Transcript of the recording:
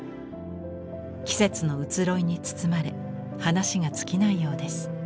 季節の移ろいに包まれ話が尽きないようです。